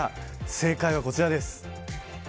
正解はこちらです。